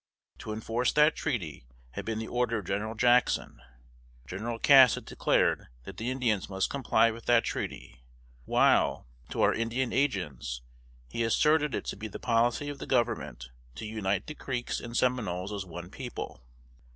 To enforce that treaty had been the order of General Jackson. General Cass had declared that the Indians must comply with that treaty; while, to our Indian agents, he asserted it to be the policy of the Government to unite the Creeks and Seminoles as one people.